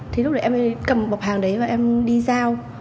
thì lúc đấy em mới cầm một bọc hàng đấy và em đi giao